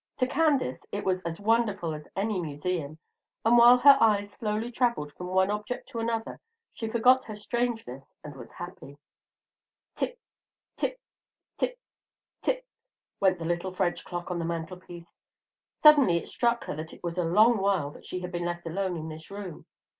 To Candace it was as wonderful as any museum; and while her eyes slowly travelled from one object to another, she forgot her strangeness and was happy. Tick, tick, tick, tick, went the little French clock on the mantelpiece. Suddenly it struck her that it was a long while that she had been left alone in this room.